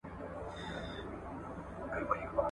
موږ نه غواړو ورک شو.